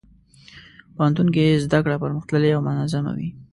پوهنتون کې زدهکړه پرمختللې او منظمه وي.